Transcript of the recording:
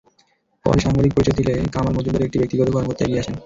পরে সাংবাদিক পরিচয় দিলে কামাল মজুমদারের একজন ব্যক্তিগত কর্মকর্তা এগিয়ে আসেন।